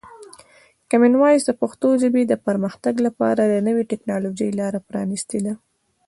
کامن وایس د پښتو ژبې د پرمختګ لپاره د نوي ټکنالوژۍ لاره پرانیستې ده.